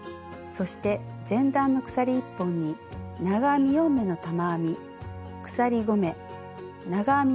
そして前段の鎖１本に長編み４目の玉編み鎖５目長編み